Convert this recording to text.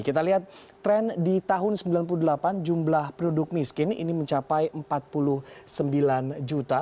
kita lihat tren di tahun sembilan puluh delapan jumlah penduduk miskin ini mencapai empat puluh sembilan juta